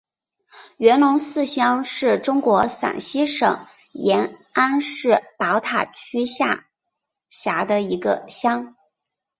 元龙寺乡是中国陕西省延安市宝塔区下辖的一个乡。